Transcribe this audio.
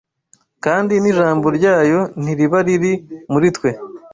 kandi n’ijambo ryayo ntiriba riri muri twe